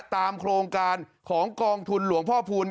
ตามโครงการของกองทุนหลวงพ่อพูล